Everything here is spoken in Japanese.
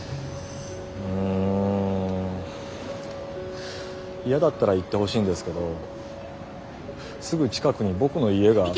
ん嫌だったら言ってほしいんですけどすぐ近くに僕の家が。